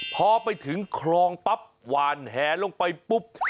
พอไปถึงคลองปั๊บหวานแหลงไปปุ๊บ